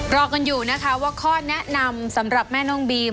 รอกันอยู่นะคะว่าข้อแนะนำสำหรับแม่น้องบีม